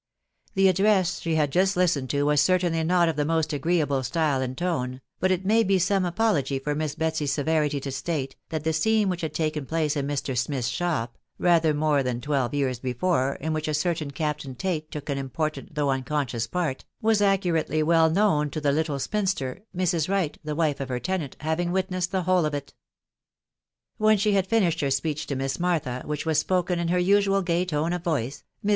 The address she had just listened to was certainly not of the most agreeable style and tone, but it may be some apo logy for Miss Betsy's severity to state, that the scene which had taken place in Mr. Smith's shop, rather more than twelve years before, in which a certain Captain Tate took an import ant, though unconscious, part, was accurately well known to the little spinster, Mrs. Wright (tt« n\fe cfc \«t Newse^Vvi ing witnessed the whole of it. « 32 THE WIDOW BARNABY. When she had finished her speech to Miss Martha, which was spoken in her usual gay tone of voice, Miss.